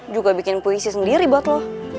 juga bikin puisi sendiri buat lo